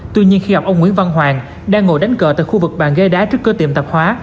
tuy nhiên khi gặp ông nguyễn văn hoàng đang ngồi đánh cờ tại khu vực bàn ghế đá trước cửa tiệm tạp hóa